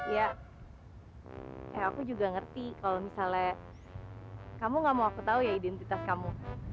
iya eh aku juga ngerti kalo misalnya kamu gak mau aku tau ya identitas kamu